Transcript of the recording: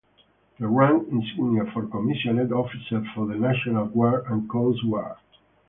The rank insignia for commissioned officers for the national guard and coast guard.